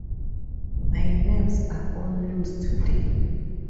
My nerves are all loose today.